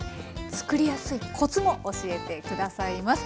作りやすいコツも教えて下さいます。